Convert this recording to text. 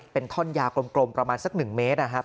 เป็นท่อนยาวกลมประมาณสัก๑เมตรนะครับ